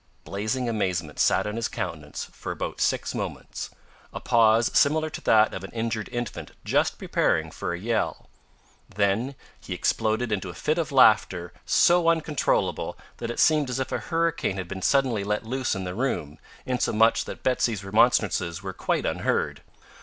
Blazing amazement sat on his countenance for about six moments a pause similar to that of an injured infant just preparing for a yell then he exploded into a fit of laughter so uncontrollable that it seemed as if a hurricane had been suddenly let loose in the room, insomuch that Betsy's remonstrances were quite unheard.